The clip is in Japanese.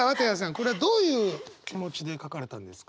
これはどういう気持ちで書かれたんですか？